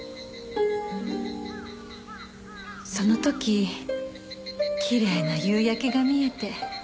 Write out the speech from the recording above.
その時きれいな夕焼けが見えて。